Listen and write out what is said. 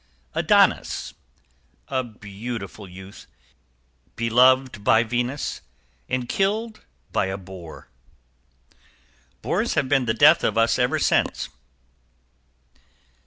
=ADONIS. A beautiful youth, beloved by Venus and killed by a boar. =Bores have been the death of us ever since.